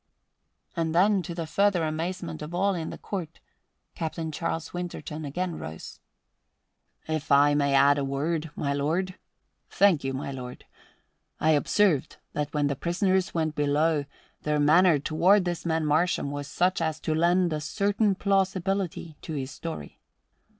And then, to the further amazement of all in the court, Captain Charles Winterton again rose. "If I may add a word, my lord? Thank you, my lord. I observed that when the prisoners went below their manner toward this man Marsham was such as to lend a certain plausibility to his story.